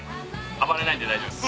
暴れないんで大丈夫です。